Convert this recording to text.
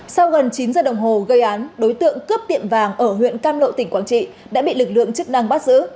sau gần chín giờ đồng hồ gây án đối tượng cướp tiệm vàng ở huyện cam lộ tỉnh quảng trị đã bị lực lượng chức năng bắt giữ